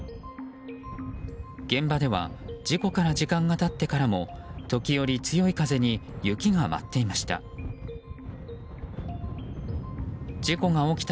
現場では事故から時間が経ってからも時折強い風に雪が舞っていました。